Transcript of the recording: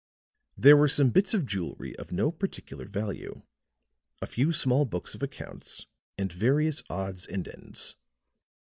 There were some bits of jewelry of no particular value, a few small books of accounts and various odds and ends.